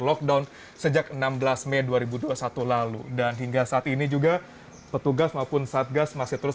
lockdown sejak enam belas mei dua ribu dua puluh satu lalu dan hingga saat ini juga petugas maupun satgas masih terus